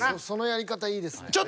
そのやり方いいですね。